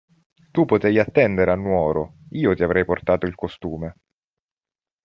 Tu potevi attendere a Nuoro: io ti avrei portato il costume.